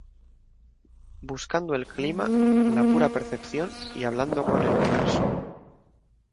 Buscando el clima, La pura percepción y Hablando con el universo.